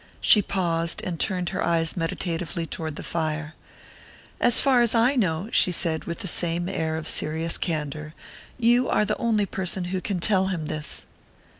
She paused, and turned her eyes meditatively toward the fire. "As far as I know," she said, with the same air of serious candour, "you are the only person who can tell him this."